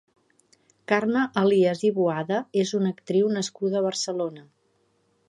Carme Elias i Boada és una actriu nascuda a Barcelona.